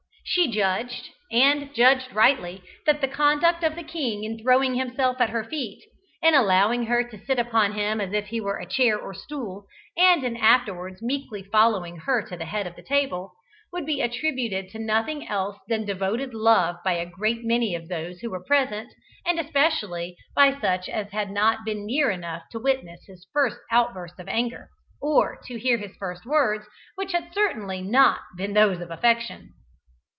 She judged and judged rightly that the conduct of the king in throwing himself at her feet, in allowing her to sit upon him as if he were a chair or stool, and in afterwards meekly following her to the head of the table, would be attributed to nothing else than devoted love by a great many of those who were present, and especially by such as had not been near enough to witness his first outburst of anger, or to hear his first words, which had certainly not been those of affection.